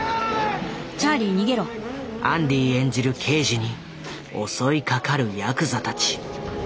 アンディ演じる刑事に襲いかかるやくざたち。